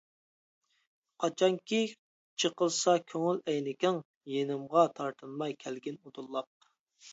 قاچانكى چېقىلسا كۆڭۈل ئەينىكىڭ، يېنىمغا تارتىنماي كەلگىن ئۇدۇللاپ.